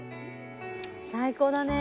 最高だね。